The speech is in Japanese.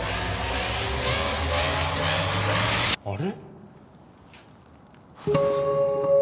あれ？